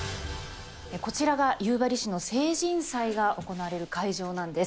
こちらが夕張市の成人祭が行われる会場なんです。